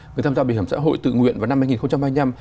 người tham gia bảo hiểm xã hội tự nguyện vào năm hai nghìn hai mươi năm